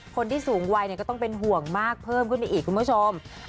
คนที่สูงวัยก็ต้องเป็นห่วงมากเพิ่มขึ้นไปอีกคุณผู้ชม